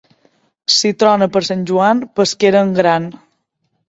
Si trona per Sant Joan, pesquera en gran.